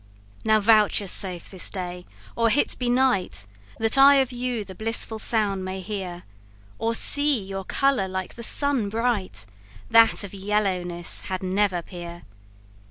Now voucheth safe this day, or be it night, That I of you the blissful sound may hear, Or see your colour like the sun bright, That of yellowness had never peer.